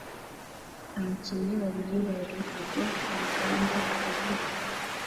Abakinnyi babiri ba ruhago murugamba kurubura